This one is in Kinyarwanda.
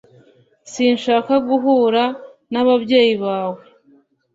Sinshaka guhura n'ababyeyi bawe